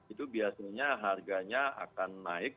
itu biasanya harganya akan naik